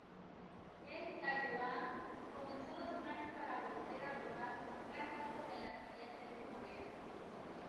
En Kairuán, comenzó los planes para volver a tomar Cartago en la siguiente primavera.